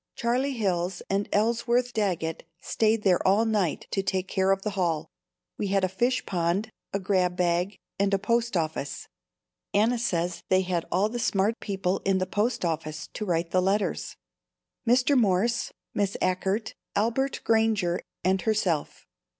Charlie Hills and Ellsworth Daggett stayed there all night to take care of the hall. We had a fish pond, a grab bag and a post office. Anna says they had all the smart people in the post office to write the letters, Mr. Morse, Miss Achert, Albert Granger and herself.